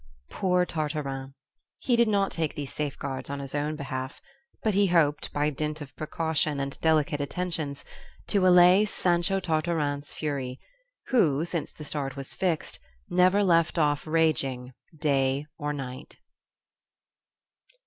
Poor Tartarin! he did not take these safeguards on his own behalf; but he hoped, by dint of precaution and delicate attentions, to allay Sancho Tartarin's fury, who, since the start was fixed, never left off raging day or night.